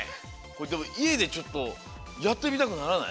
でもいえでちょっとやってみたくならない？